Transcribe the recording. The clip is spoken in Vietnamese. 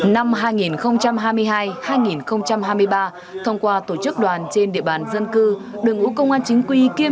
năm hai nghìn hai mươi hai hai nghìn hai mươi ba thông qua tổ chức đoàn trên địa bàn dân cư đồng ủ công an chính quy kiêm